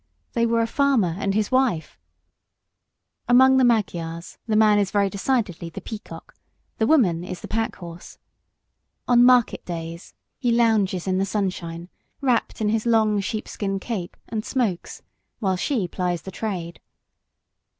They were a farmer and his wife! Among the Magyars the man is very decidedly the peacock; the woman is the pack horse. On market days he lounges in the sunshine, wrapped in his long sheepskin cape, and smokes, while she plies the trade.